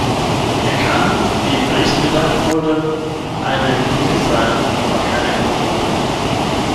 Er kann, wie im Bericht gesagt wurde, eine Brücke sein, aber keine Grundlage.